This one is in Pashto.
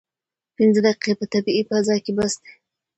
پنځه دقیقې په طبیعي فضا کې بس دي.